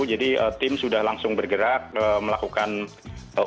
jadi tim sudah langsung bergerak melakukan penyelesaian